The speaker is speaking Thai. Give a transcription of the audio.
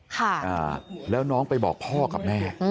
ค่ะอ่าแล้วน้องไปบอกพ่อกับแม่